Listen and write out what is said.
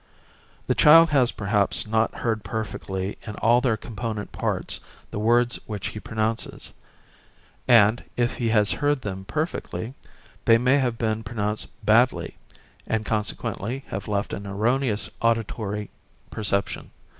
The child has perhaps not heard perfectly in all their component parts the words which he pronounces, and, if he has heard them perfectly, they may have been pronounced badly, and consequently have left an erroneous auditory perception.